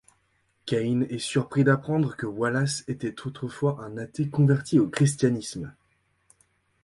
Kane est surpris d'apprendre que Wallace était autrefois un athée converti au christianisme.